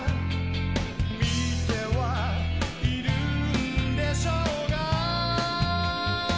「見てはいるんでしょうが」